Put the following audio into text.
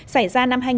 xảy ra năm hai nghìn